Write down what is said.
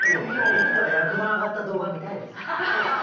いつか役満上がった動画、見たいです。